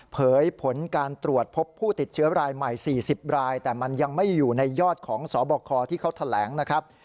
ผลการตรวจพบผู้ติดเชื้อรายใหม่๔๐รายแต่มันยังไม่อยู่ในยอดของสบคที่เขาแถลงนะครับ